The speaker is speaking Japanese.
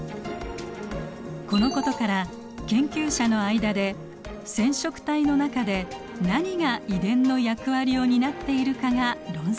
このことから研究者の間で染色体の中で何が遺伝の役割を担っているかが論争となります。